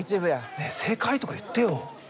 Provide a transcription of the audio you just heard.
ねえ正解とか言ってよ。